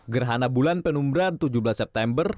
gerhana bulan penumbran tujuh belas september